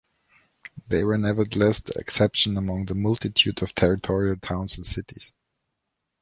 They were nevertheless the exception among the multitude of territorial towns and cities.